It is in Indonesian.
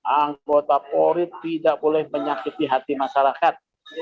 anggota polri tidak boleh menyakiti hati masyarakat